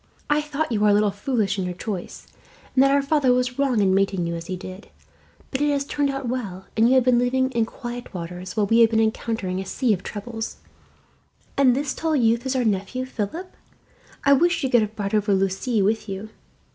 I thought you were a little foolish in your choice, and that our father was wrong in mating you as he did; but it has turned out well, and you have been living in quiet waters, while we have been encountering a sea of troubles. "And this tall youth is our nephew, Philip? I wish you could have brought over Lucie with you.